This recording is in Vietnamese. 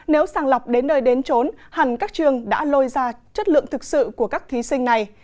nếu sàng lọc đến nơi đến trốn hẳn các trường đã lôi ra chất lượng thực sự của các thí sinh này